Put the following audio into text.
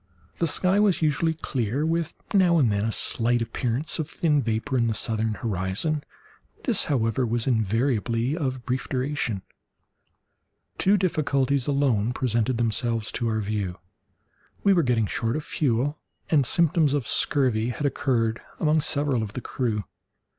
The sky was usually clear, with now and then a slight appearance of thin vapour in the southern horizon—this, however, was invariably of brief duration. Two difficulties alone presented themselves to our view; we were getting short of fuel, and symptoms of scurvy had occurred among several of the crew.